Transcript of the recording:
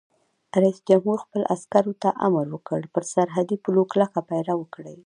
رئیس جمهور خپلو عسکرو ته امر وکړ؛ پر سرحدي پولو کلک پیره وکړئ!